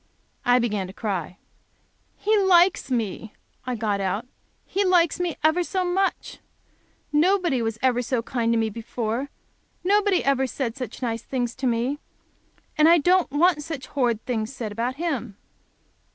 I began to cry. "He likes me," I got out, "he likes me ever so much. Nobody ever was so kind to me before. Nobody ever said such nice things to me. And I don't want such horrid things said about him."